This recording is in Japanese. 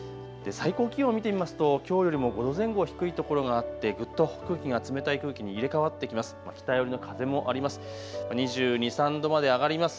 最高気温を見てみますときょうよりも５度前後低いところがあってぐっと空気が冷たい空気に入れ替わってきます。